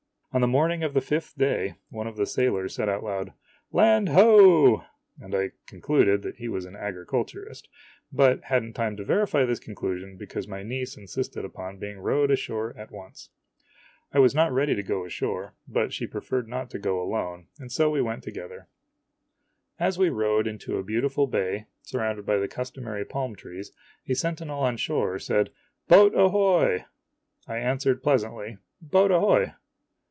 On the morning of the fifth day, one of the sailors said out loud, "Land hoe!" and I concluded he was an agriculturist, but had n't o time to verify this conclusion because my niece insisted upon being rowed ashore at once. I was not ready to go ashore, but she preferred not to go alone, and so we went together. THE ASTROLOGER S NIECE MARRIES 97 As we rowed into a beautiful bay surrounded by the customary palm trees, a sentinel on shore said, " Boat ahoy !" I answered pleasantly, " Boat ahoy."